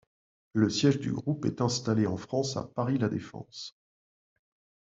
Le siège du groupe est installé en France à Paris La Défense.